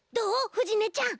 ふじねちゃん。